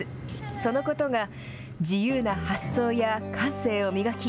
そのことが自由な発想や感性を磨き、